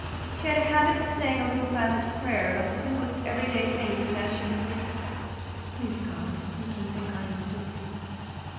She had a habit of saying a little silent prayer about the simplest everyday things, and now she whispered: "Please God, make him think I am still pretty."